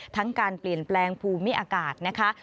การเปลี่ยนแปลงภูมิอากาศนะคะ